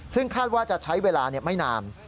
ซึ่งคาดว่าจะใช้เวลาไม่นาน